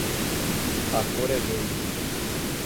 A cor é verde!